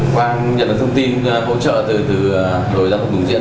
quang nhận được thông tin hỗ trợ từ đội gia quốc bình diễn